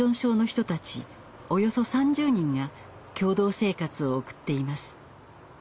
およそ３０人が共同生活を送っています。